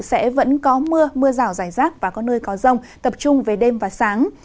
sẽ vẫn có mưa mưa rào rải rác và có nơi có rông tập trung về đêm và sáng